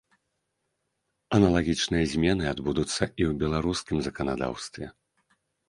Аналагічныя змены адбудуцца і ў беларускім заканадаўстве.